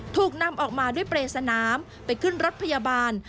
ถูกนำออกมาด้วยเปรย์สนามไปขึ้นรถพยาบาล